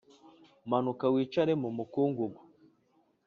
Manuka wicare mumukungugu